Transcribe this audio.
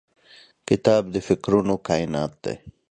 کتاب د فکرونو کائنات دی.